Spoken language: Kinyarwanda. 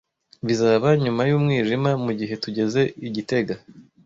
Bizaba nyuma yumwijima mugihe tugeze i gitega.